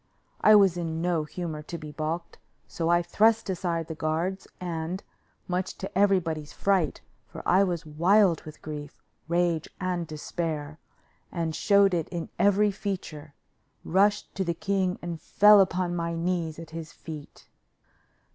I was in no humor to be balked, so I thrust aside the guards, and, much to everybody's fright, for I was wild with grief, rage and despair, and showed it in every feature, rushed to the king and fell upon my knees at his feet.